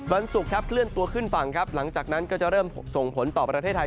วันศุกร์ครับเคลื่อนตัวขึ้นฝั่งครับหลังจากนั้นก็จะเริ่มส่งผลต่อประเทศไทย